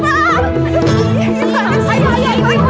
tungguin mama address cum oui ta plus